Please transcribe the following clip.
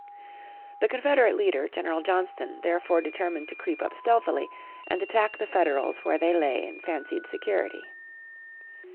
The Confederate leader, General Johnston, therefore determined to creep up stealthily, and attack the Federals where they lay in fancied security.